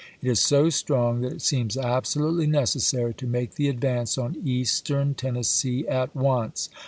It is so strong that it seems absolutely necessary to make the advance on Eastern Tennessee at once.